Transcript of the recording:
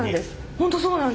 本当そうなんです。